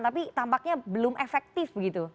tapi tampaknya belum efektif begitu